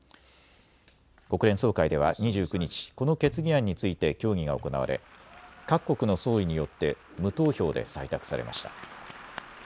国連総会では２９日、この決議案について協議が行われ各国の総意によって無投票で採択されました。